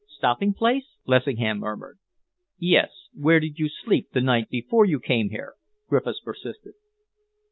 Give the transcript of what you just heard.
"Stopping place?" Lessingham murmured. "Yes, where did you sleep the night before you came here?" Griffiths persisted.